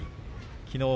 きのう